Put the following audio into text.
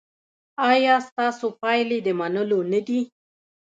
ایا ستاسو پایلې د منلو نه دي؟